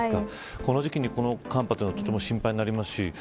この時期にこの寒波は心配になりますし